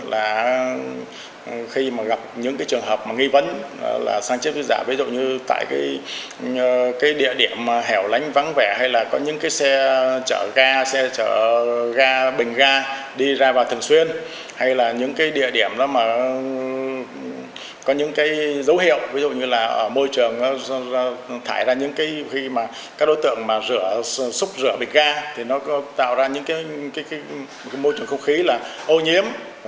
là khi mà gặp những cái trường hợp mà nghi vấn là săn chiếc gà ví dụ như tại cái địa điểm mà hẻo lánh vắng vẻ hay là có những cái xe chở ga xe chở ga bình ga đi ra vào thường xuyên hay là những cái địa điểm đó mà có những cái dấu hiệu ví dụ như là môi trường thải ra những cái khi mà các đối tượng mà rửa xúc rửa bình ga thì nó có tạo ra những cái môi trường không khí là ô nhiếm